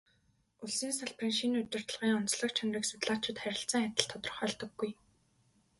Улсын салбарын шинэ удирдлагын онцлог чанарыг судлаачид харилцан адил тодорхойлдоггүй.